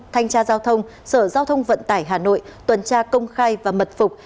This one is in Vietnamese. thanh tra giao thông sở giao thông vận tải hà nội tuần tra công khai và mật phục